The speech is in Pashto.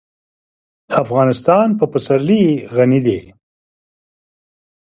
افغانستان په پسرلی غني دی.